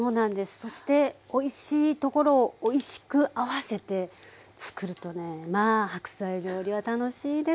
そしておいしいところをおいしく合わせてつくるとねまあ白菜料理は楽しいです。